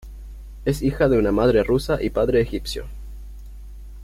Es hija de una madre rusa y padre egipcio.